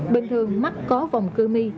bình thường mắt có vòng cơ mi